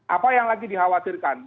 apa yang lagi dikhawatirkan